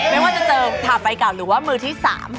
ไม่ว่าจะเจอผ่าไฟเก่าหรือว่ามือที่๓